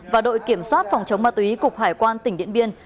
và đội kiểm soát phòng chống ma túy cục hải quan tỉnh điện biên